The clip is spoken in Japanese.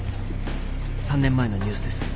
３年前のニュースです。